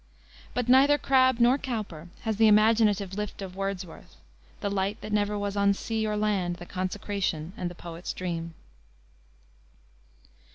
But neither Crabbe nor Cowper has the imaginative lift of Wordsworth, "The light that never was on sea or land The consecration and the poet's dream."